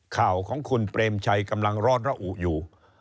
ข่าวของคุณเปรมชัยกำลังร้อนระอุอยู่